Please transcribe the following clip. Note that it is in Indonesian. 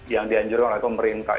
yang dianjur oleh pemerintah